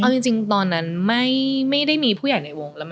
เอาจริงตอนนั้นไม่ได้มีผู้ใหญ่ในวงแล้ว